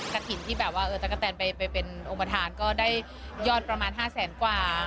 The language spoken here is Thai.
กระถิ่นที่แบบว่าตะกะแตนไปเป็นองค์ประธานก็ได้ยอดประมาณ๕แสนกว่า